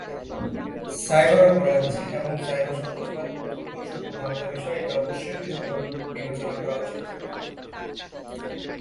Cyber অপরাধ এবং cyber সন্ত্রাসবাদ দুটো সম্পূর্ণ আলাদা বিষয়, এটা অবশ্যই পৃথকভাবে বিবেচনা করা উচিত।